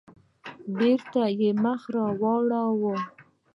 بېرته يې مخ راواړاوه.